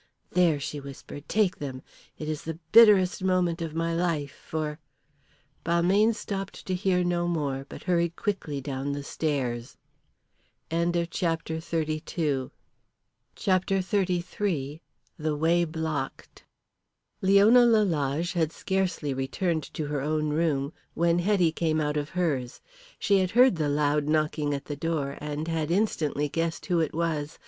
"There," she whispered. "Take them. It is the bitterest moment of my life for " Balmayne stopped to hear no more, but hurried quickly down the stairs. CHAPTER XXXIII. THE WAY BLOCKED. Leona Lalage had scarcely returned to her own room when Hetty came out of hers. She had heard the loud knocking at the door, and had instantly guessed who it was.